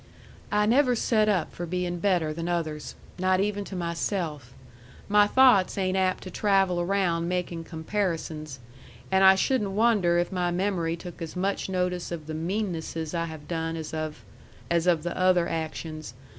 "I never set up for being better than others. Not even to myself. My thoughts ain't apt to travel around making comparisons. And I shouldn't wonder if my memory took as much notice of the meannesses I have done as of as of the other actions.